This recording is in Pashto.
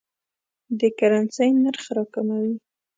د کرنسۍ نرخ راکموي.